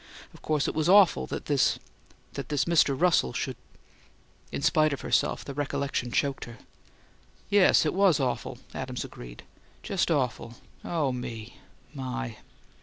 Of course it was awful that this that this Mr. Russell should " In spite of her, the recollection choked her. "Yes, it was awful," Adams agreed. "Just awful. Oh, me, my!"